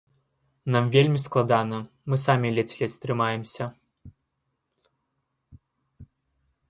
Нам вельмі складана, мы самі ледзь-ледзь трымаемся.